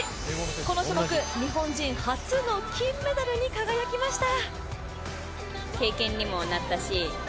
この種目、日本人初の金メダルに輝きました。